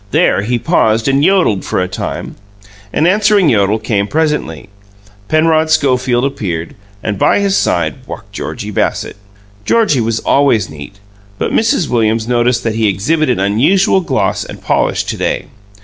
There he paused and yodelled for a time. An answering yodel came presently; Penrod Schofield appeared, and by his side walked Georgie Bassett. Georgie was always neat; but Mrs. Williams noticed that he exhibited unusual gloss and polish to day.